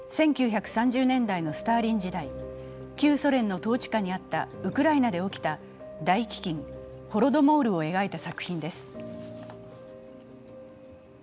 １９３０年代のスターリン時代、旧ソ連の統治下にあったウクライナで起きた大飢饉＝ホロドモールを描いた作品です。